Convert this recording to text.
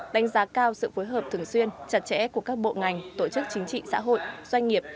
đánh giá cao sự phối hợp thường xuyên chặt chẽ của các bộ ngành tổ chức chính trị xã hội doanh nghiệp